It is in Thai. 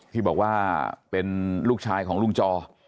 ที่บอกว่าเป็นลูกชายของลุงจอ